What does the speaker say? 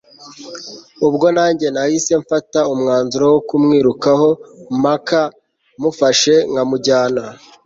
ubwo nanjye nahise mfata umwanzuro wo kumwirukaho mpaka mufashe nkamujyana